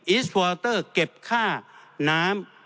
อิสวออเตอร์เก็บค่าน้ำ